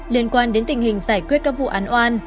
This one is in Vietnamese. liên quan đến tình hình giải quyết các vụ án oan